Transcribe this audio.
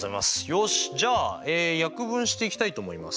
よしじゃあ約分していきたいと思います。